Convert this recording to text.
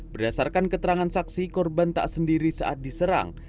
berdasarkan keterangan saksi korban tak sendiri saat diserang